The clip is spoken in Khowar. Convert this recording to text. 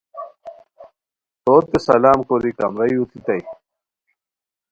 توتے سلام کوری کمرائی اوتیتائے